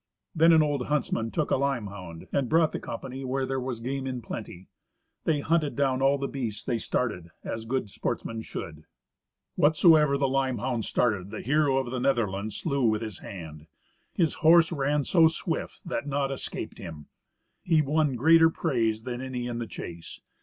Then an old huntsman took a limehound, and brought the company where there was game in plenty. They hunted down all the beasts they started, as good sportsmen should. Whatsoever the limehound started, the hero of the Netherland slew with his hand. His horse ran so swift that naught escaped him; he won greater praise than any in the chase.